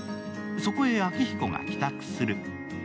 そこへ昭彦が帰宅する。